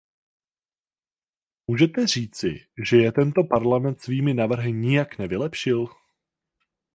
Můžete říci, že jej tento Parlament svými návrhy nijak nevylepšil?